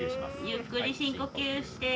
ゆっくり深呼吸して。